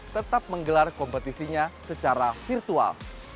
tetap menggelar kompetisinya secara virtual